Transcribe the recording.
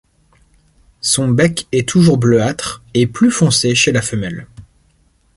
Son bec est toujours bleuâtre, et plus foncé chez la femelle.